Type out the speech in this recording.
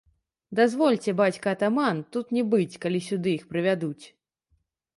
Дазвольце, бацька атаман, тут не быць, калі сюды іх прывядуць!